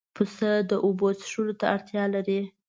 پسه د اوبو څښلو ته اړتیا لري.